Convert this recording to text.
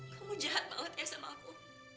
kamu jahat banget ya sama aku